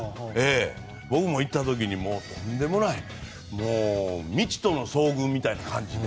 僕も行った時に、とんでもない未知との遭遇みたいな感じで。